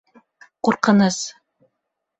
Ҡурҡыныс.